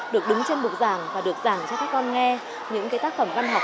được đứng trên bục giảng và được giảng cho các con nghe những tác phẩm văn học